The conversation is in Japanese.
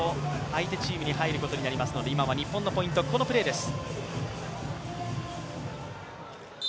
相手チームに入ることになりますので今は日本のポイントです。